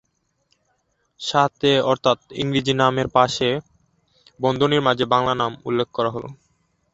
সাথে অর্থাৎ ইংরেজি নামের পাশে বন্ধনীর মাঝে বাংলা নাম উল্লেখ করা হলো।